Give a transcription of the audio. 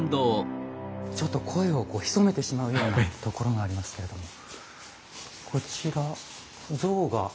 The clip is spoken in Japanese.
ちょっと声をこう潜めてしまうようなところがありますけれども。